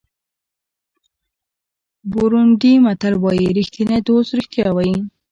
بورونډي متل وایي ریښتینی دوست رښتیا وایي.